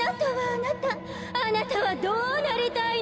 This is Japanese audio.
あなたはどうなりたいの？